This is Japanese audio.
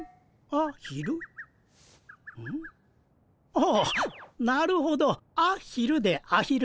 ああなるほど「あ昼」で「アヒル」。